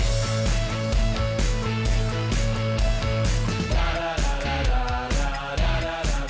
เพราะฉะนั้นเราไปกันดีกว่าไหม